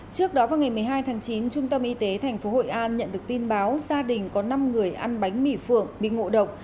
trước đó vào ngày một mươi hai tháng chín trung tâm y tế tp hội an nhận được tin báo gia đình có năm người ăn bánh mỉ phượng bị ngộ độc